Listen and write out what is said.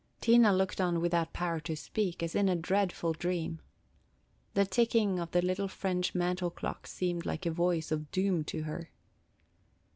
Tina looked on without power to speak, as in a dreadful dream. The ticking of the little French mantel clock seemed like a voice of doom to her.